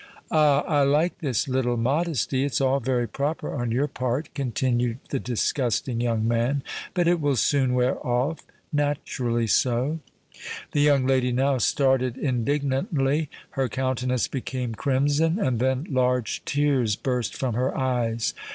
"Ah! I like this little modesty—it's all very proper on your part," continued the disgusting young man; "but it will soon wear off—naturally so." The young lady now started indignantly—her countenance became crimson—and then large tears burst from her eyes.